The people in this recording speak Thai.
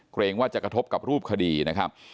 เกรงว่าจะกระทบกับรูปคดีนะครับ